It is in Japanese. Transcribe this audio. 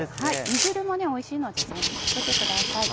煮汁もおいしいので全部かけてください。